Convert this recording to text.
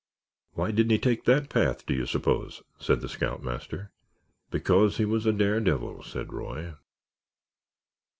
"Why didn't he take that path, do you suppose?" said the scoutmaster. "Because he was a dare devil," said Roy.